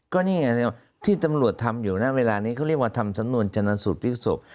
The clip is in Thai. ก็นี่ไงที่ตำรวจทำอยู่นะเวลานี้เขาเรียกว่าทำสำนวนจนสูตรพลิกศพ